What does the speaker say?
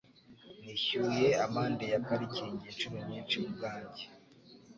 Nishyuye amande ya parikingi inshuro nyinshi ubwanjye.